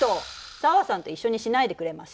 紗和さんと一緒にしないでくれます！？